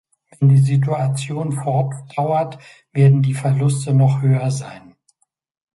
Wenn die Situation fortdauert, werden die Verluste noch höher sein.